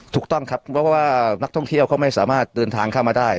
ถูกต้องครับเพราะว่านักท่องเที่ยวเขาไม่สามารถเดินทางเข้ามาได้